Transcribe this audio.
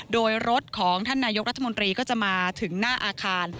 โดยรถของท่านนายกรัฐมนตรีก็จะมาถึงหน้าอาคาร